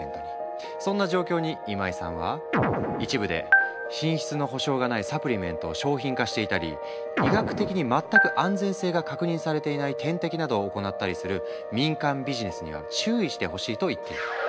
そんな状況に今井さんは一部で品質の保証がないサプリメントを商品化していたり医学的に全く安全性が確認されていない点滴などを行ったりする民間ビジネスには注意してほしいと言っている。